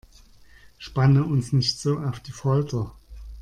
Spanne uns nicht so auf die Folter!